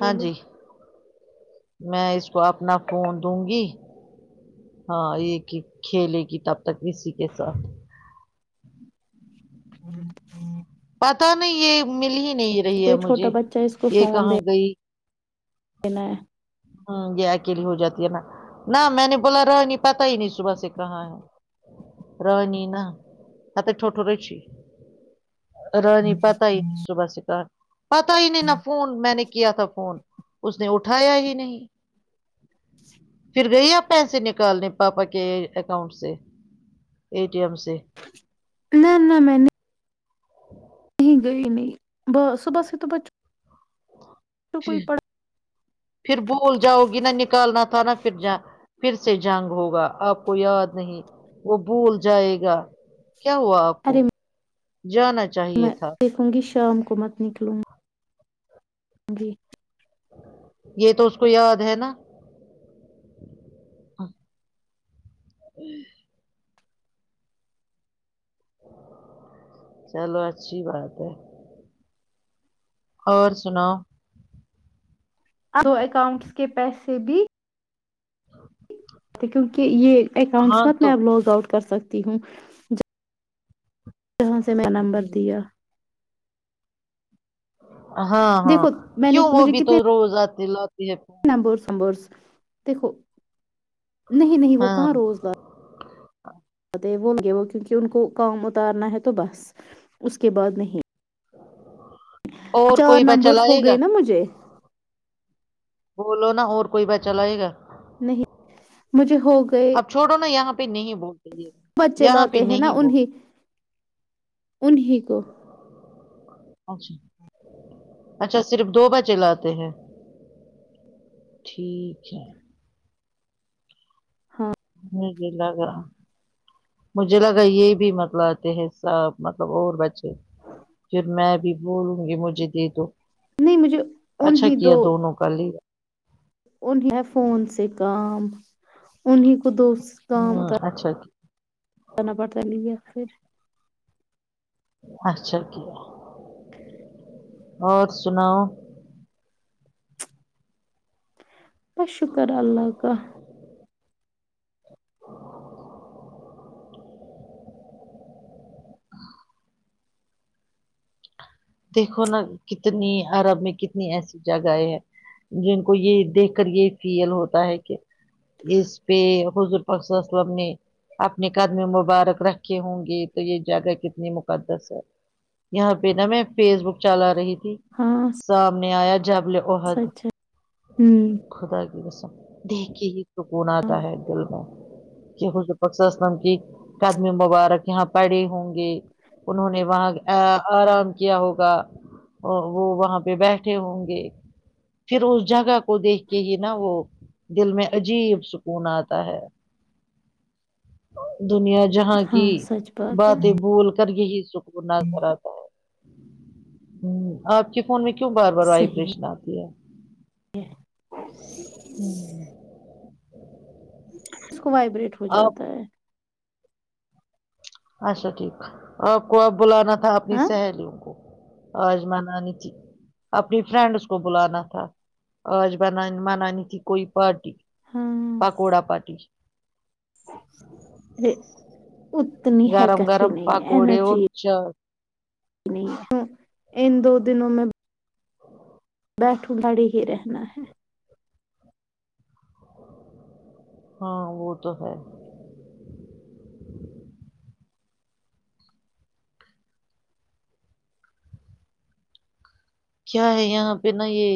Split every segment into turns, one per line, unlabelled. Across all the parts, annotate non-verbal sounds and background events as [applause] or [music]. ہاں جی میں اس کو اپنا فون دوں گی ہاں یہ کہ کھیلے گی تب تک کسی کے ساتھ
ج ہ [unintelligible]
پتا نہیں یہ مل ہی نہیں رہی ہے
کوئی چھوٹا
مجھے
بچہ اس
یہ کہاں گئی
کہینا
ہ یہ اکیلی ہو جاتی ہے نا نہ میں نے بولا رانی پتا ہی نہیں صبح سے کہاں ہے رانی نا آتا ٹوٹورچی رانی پتہ ہی ہے صبح سےکار پتا ہی نہیں نا فون میں نے کیا تھا فون اس نے اٹھایا ہی نہیں پھر گئی آپ پیسے نکالنے پاپا کے اکاؤنٹ سے اے ٹی ایم سے
نہ نہ میں نے کہ گئی نہیں ب صبح ہی تو بچوں کوئی
پھر
پڑ
پھر بھول جاؤ گی نہا نکالنا تھا نہ پھر جا پھر سے جنگ ہوگا آپ کو یاد نہیں وہ بھول جائے گا کیا ہوا آپ کو
ارے
جانا چاہیے
میں
تھا
دیکھوں گی شام کو مت نکلوں گی جی
یہ تو اس کو یاد ہے نا ہ چلو اچھی بات ہے اور سناو
دو اکاؤنٹس کے پیسے بھی تو کیونکہ یہ اکاؤنٹس
ہاں
مت میں
تو
اب لوگ آؤٹ کر سکتی ہوں کہاں سے میں نمبر دیا
ہاں ہاں
دیکھو میں نے
کیوں وہ بھی تو روز یاد دلاتی ہے
نبرمبرس دیکھو نہیں نہیں وہ
ہاں
کہاں روز بات ج [unintelligible] وہ کیونکہ ان کو کام اتارنا ہے تو بس اس کے بعد نہیں
اور
چار
کوئی بچہ
نمبرس ہو
لائے گا
گئے نا مجھے
بو لو نہ ہور کوئی بچہ لائے گا
نہیں مجھے ہو گئے
اب چھوڑو نا یہاں پہ نہیں بولتے ہے
بچے لاتے ہیں نا انہیں انہیں کو
اچھا اچھا صرف دو بجے لاتے ہیں ٹھیک ہے
ہاں
[unintelligible] مجھے لگا یہ بھی مطلب آتے ہیں سب مطلب اور بچے پھر میں بھی بولوں گی مجھے دے دو
نہیں مجھے
اچھا
انہیں
کیا
دو
دونوں کا لیا
انہیں فون سے کام انہیں کو دوست
ہاں اچھا کیا
نا بتا لیجیے پھر
اچھا کیا اور سناؤ
بس شکر اللہ کا
دیکھو نا کتنی عرب میں کتنی ایسی جگہیں ہیں جن کو یہ دیکھ کر یہ فیل ہوتا ہے کہ اس پہ حضور پاک صل اللہ علیہ و سلم نے اپنے قدم مبارک رکھے ہوں گے تو یہ جگہ کتنی مقدس ہے یہاں پہ نا میں فیس بک چلا رہی تھی
ہاں صح
سامنے آیا جبل عہد
ہوں
خدا کی قسم دیکھ کے ہی سکون
ہاں
آتا ہے دل کو حضور پاک صل اللہ علیہ و سلم کی قدم مبارک یہاں پڑے ہوں گے انہوں نے وہاں اے آرام کیا ہوگا اور وہ وہاں پہ بیٹھے ہوں گے پھر اس جگہ کو دیکھ کے ہی نا وہ دل میں عجیب سکون آتا ہے دنیا جہاں
ہاں
کی
سچ بات ہے
باتیں بول کر یہی سکھ گناہ کراتا ہے ہوں آپ کے فون میں کیوں بار بار
صحیح ہے
وائبریشن آتی ہے ہوں،
اس کو وائبریٹ
آپ
ہوجاتا ہے
اچھا ٹھیک آپ کو اب بلانا تھا اپنی
ہاں
سہیلیوں کو آج منانی تھی اپنی فرینڈس کو بلانا تھا آج بنانی منانی تھی کوئی پارٹی
ہاں
پکوڑا پاٹی
یہ اتنی حرکت ہی نہیں ہے اینرجی
اچھا
نہیں ہاں ان دو دنوں میں بیٹھو لڑے ہی رہنا ہے
ہاں وہ تو ہے کیا ہے یہاں پہ نا یہ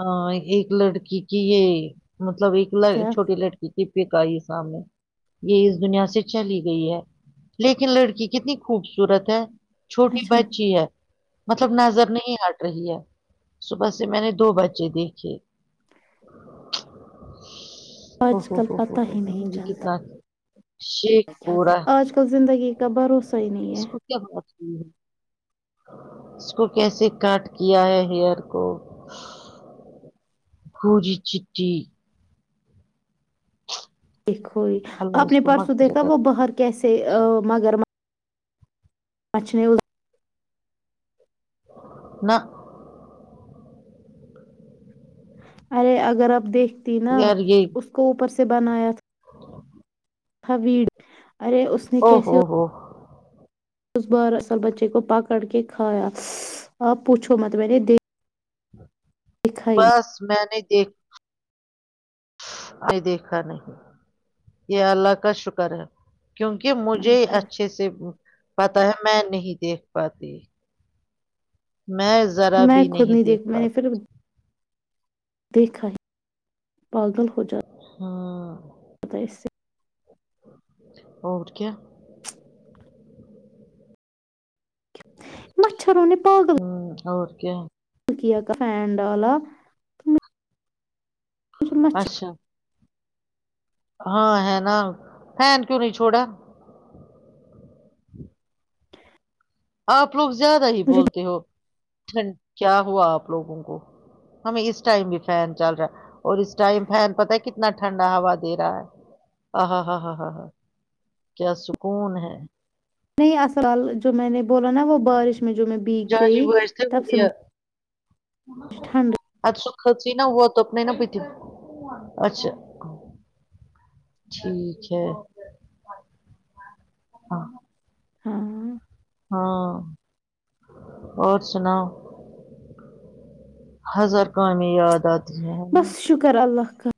آں ایک لڑکی کی یہ مطلب ایک لڑک
کیا
چھوٹی لڑکی [unintelligible] یہ اس دنیا سے چلی گئی ہے لیکن لڑکی کتنی خوبصورت ہے چھوٹی
اچھا
بچی ہے مطلب نظر نہیں ہٹ رہی ہے صبح سے میں نے دو بچے دیکھے او
آج
ہو
کل
ہو ہو
پتا
ہو
ہی
ہو
نہیں
مجھے
چلتا
کتنا شیک پورا
آج کل زندگی کا بھروسہ ہی نہیں ہے
اس کو کیا ہوا تھا اس کو کیسے کٹ کیا ہے ہیئر کو گوری چٹی
دیکھو یہ
اللہ
آپ
اس
نے
کو
پرسوں دیکھا
مغفرت
وہ
عطا
باہر کیسے ا مگر اچھے نیوز
نہ
ارے اگر آپ دیکھتی نا
یار یہ
اس کو اوپر سے بنایا تھا [unintelligible] ارے اس نے
او ہو
کیسے
ہو
اس بار اصل بچے کو پکڑ کے کھایا آپ پوچھو مت میں نے دیکھ
بس میں نے دیکھ میں دیکھا نہیں یہ اللہ کا شکر ہے کیونکہ مجھے
نہیں
اچھے سے پتا ہے میں نہیں دیکھ پاتی میں ذرا
میں
بھی
خود نہیں دیکھ میں نے
پاتی
پھر دیکھا ہے پاگل ہو جا
ہاں
بتہ ہے اس سے
اور کیا
مچھروں نے پاگل
ہوں اور کیا
سکیا کا فین ڈالا مجھے مچھ
اچھا ہاں ہے نا فین کیوں نہیں چھوڑا آپ لوگ زیادہ ہی
مجھے
بولتے ہو ٹھنڈ کیا ہوا آپ لوگوں کو ہمیں اس ٹائم بھی فین چل رہا ہے اور اس ٹائم فین پتا ہے کتنا ٹھنڈا ہوا دے رہا ہے آہا ہا ہا ہا ہا کیا سکون ہے
نہیں اصل جو میں نے بولا نا وہ بارش میں جو میں بھیگ
جاجی
گئی تب سے
ویسے
مجھ
اچھا خچ ہی نا ہوا تو اپنے نا پی تیوں اچھا ٹھیک ہے
ہاں
ہاں اور سناؤ ہزار کامیں یاد آتی ہیں ہے نا
بس شکر اللہ کا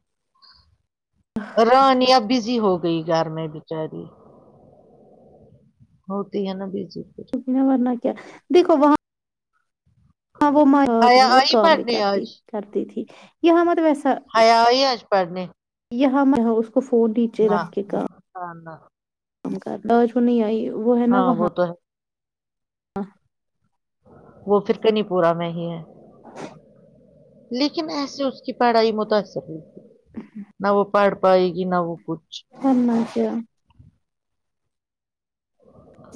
را نی اب بزی ہو گئی گھر میں بچاری ہوتی ہے نا بزی پھر
جینا مرنا کیا دیکھو وہاں ہاں وہ مات
حیا
میں اور
آئی
کام بھی
پڑھنے
کرتی
آج
کرتی تھی یہاں مت ویسا
یا ہی آج پڑھنے
یہاں میں اس کو فور نیچے رکھ کے کہا
آنا
اج وہ نہیں آئی وہ ہے نا
ہاں وہ
وہاں
تو ہے وہ پھرک نہیں پورا میں ہی ہے
ہاں
لیکن ایسے اس کی پڑھائی متاثر ہوئی تھی نہ وہ پڑ پاائے گی نا کچ
[unintelligible]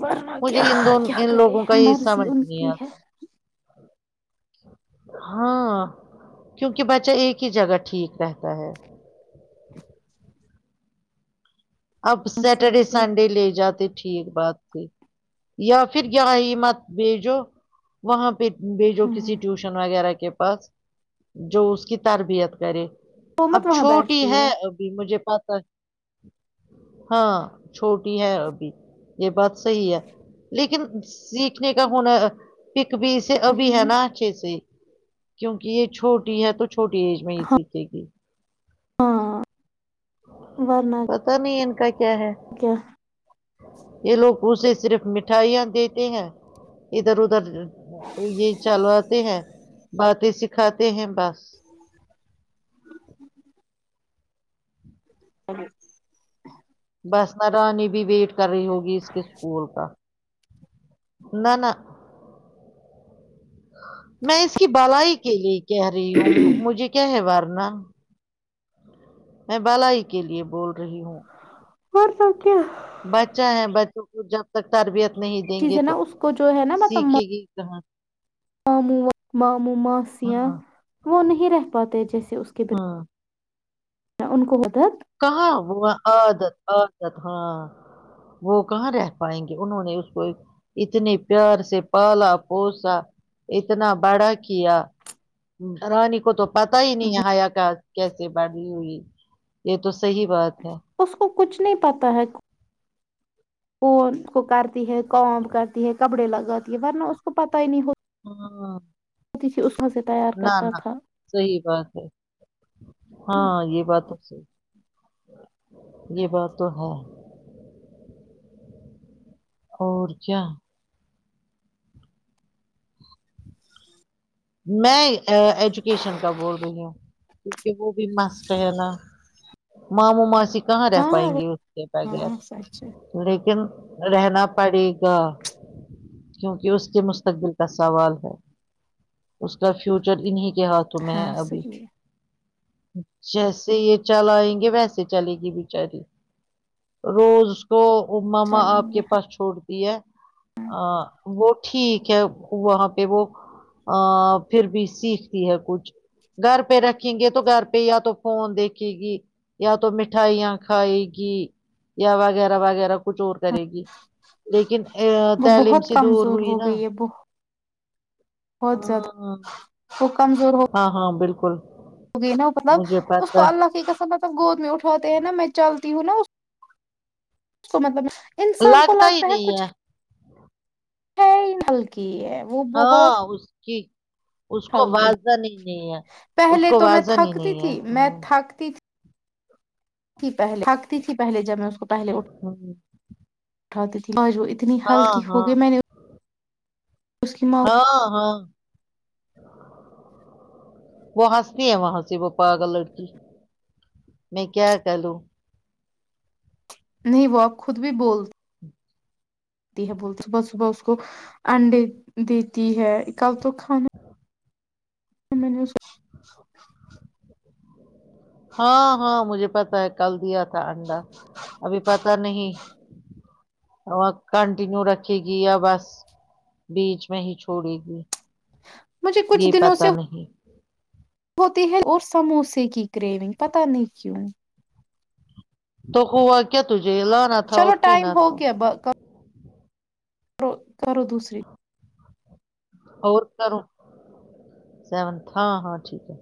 ورنہ
مجھے
کیا
ان دونوں
کیا
ان
کرے
لوگوں کا یہ
مرضی
سمجھ
ان
نہیں
کی ہے
آتا ہاں کیونکہ بچہ ایک ہی جگہ ٹھیک رہتا ہے اب سیٹرڈے
سچ ہے
سنڈے لے جاتے ہیں ٹھیک بات تھی یا پھر یہ ہی مت بھیجو وہاں پہ ب جو
ہاں
کسی ٹیوشن وغیرہ کے پاس جو اس کی تربیت کرے
وہ مت
اب
وہاں
چھوٹی
بیٹھتی
ہے ابھی مجھے پتا ہاں چھوٹی ہے ابھی یہ بات صحی ہے لیکن سیکھنے کا ہونا پک بھی ابھی ہے نا اچھے سے کیونکہ یہ چھوٹی ہے تو چھوٹی ایج میں اسیچے کی
ہاں ورنہ
پتہ نہیں ان کا کیا ہے یہ لوگ اسے صرف مٹھائیاں دیتے ہیں ادھر ادھر یہ چلواتے ہیں باتیں سکھاتے ہیں بس بس نا رانی بھی ویٹ کر رہی ہوگی اس کے اسکول کا نہ نہ میں اس کی بھلائی کے لیے کہہ رہی ہوں
کیا
مجھے کیا ہے ورنہ میں بالائی کے لیے بول رہی ہوں
اور سو کیا
بچہ ہے بچوں کو جب تک تربیت نہیں دیں گے
چیزیں نا
تو
اس کو جو
سیکھے گی کہاں
مام ماموں ماسیاں
ہاں
وہ نہیں رہ پاتے جیسے اس کے بی
ہاں
ان کو ہوتا
کہاں وہ عادت عادت ہاں وہ کہاں رہ پائیں گے انہوں نے اس کو ایک اتنی پیار سے پالا پوسا اتنا بڑا کیا رانی کو تو پتا ہی نہیں حیا کا کیسے بڑی ہوئی یہ تو صحیح بات ہے
اس کو کچھ نہیں پتا ہے کوون کو کرتی ہے کام کرتی ہے کپڑے لگاتی ہے ورنہ اس کو پت ہی نہیں ہوتا
ہاں
اسی اس میں سے تیار کرتا تھا
صحی بات ہے ہاں یہ بات تو صحی یہ بات تو ہے اور کیا میں ایجوکیشن کا بول رہی ہوں کیونکہ وہ بھی مسٹ ہے نا ماموں ماسی کہاں رہ
ہاں
پائیں گی اس کے بغیر
ہاں سچ ہے
لیکن رہنا پڑے گا کیونکہ اس کے مستقبل کا سوال ہے اس کا فیوچر انیں کے ہاتھوں میں ہے
ہاں
ابھی
صحیح ہے
جیسے یہ چلائئیں گے ویسے چلے گی بیچاری روز اس کو ماما
چلیں
آپ
گے
کے پاس چھوڑتی ہے ا وہ ٹھیک ہے وہاں پہ وہ ا پھر بھی سیکھتی ہے کچھ گھر پہ رکھیں گے تو گھر پہ یا تو فون دیکھے گی یا تو مٹھائیاں کھائے گی یا وغیرہ وغیرہ کچھ اور کرے گی لیکن
وہ
تعلیم
بہت
سے دور
کمزور
ہوئی
ہو
نا
گئی ہے بہت زیادہ
ہاں
وہ کمزور ہو
ہاں ہاں بالکل
ہو گئے نا مطلب
مجھے
اس
پتا
کو اللہ کی قسم ب گود میں اٹھاتے ہیں نا میں چلتی ہوں نا اس کو مطلب
ہے،
انسان کو
ہی
لگتا ہے
نہیں
کچھ [unintelligible]
ہاں اسکی اس کو
ہلکی
واضح نہیں نہیں ہے اس کو واضح نہیں نہیں ہے
سکتی پہلے تھھکتی تھی پہلے جب میں اس کو پہلے اٹھاتی تھی اتنی
ہاں
ہلکی ہو
ہاں
گئی میں نے اس کی ماں
ہاں ہاں وہ ہنستی ہے وہاں سے وہ پاگل لڑکی میں کیا کروں
نہیں وہ اب خود بھی بول تی ہے بولتی صبح صبح اس کو انڈے دیتی ہے کل تو کھانا میں نے
ہاں ہاں مجھے پتا ہے کل دیا تھا انڈا ابھی پتا نہیں اور کنٹینیو رکھے گی یا بس بیچ میں ہی چھوڑے گی
کو، مجھے
یہ
کچھ دنوں
پتا
سے
نہیں
ہوتی ہے اور سموسے کی کریونگ پتہ نہیں کیوں
تو ہوا کیا تجھے لانا تھا
چلو
اور
ٹائم
پینا تھا
[unintelligible] کرو کرو دوسری
اور کروں سونت ہاں ہاں ٹھیک ہے